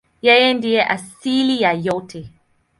Yeye ndiye asili ya yote.